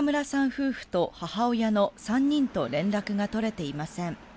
夫婦と母親の３人と連絡が取れていません。